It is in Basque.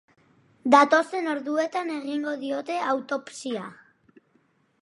Datozen orduetan egingo diote autopsia.